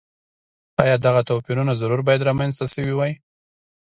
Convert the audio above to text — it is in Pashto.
ایا دغه توپیرونه ضرور باید رامنځته شوي وای.